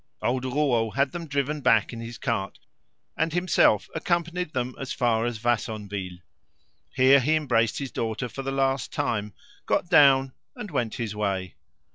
Old Rouault had them driven back in his cart, and himself accompanied them as far as Vassonville. Here he embraced his daughter for the last time, got down, and went his way.